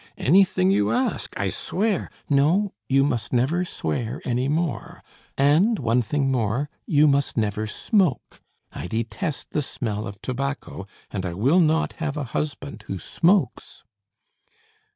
"Anything you ask. I swear " "No, you must never swear any more; and, one thing more, you must never smoke. I detest the smell of tobacco, and I will not have a husband who smokes."